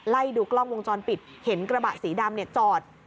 ไล่ดูกล้องวงจรปิดเห็นกระบะสีดำจอด